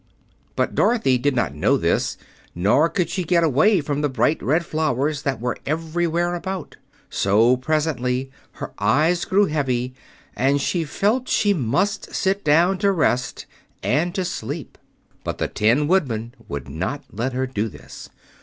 But Dorothy did not know this, nor could she get away from the bright red flowers that were everywhere about; so presently her eyes grew heavy and she felt she must sit down to rest and to sleep. But the Tin Woodman would not let her do this.